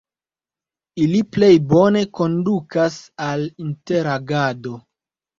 Ili plej bone kondukas al interagado.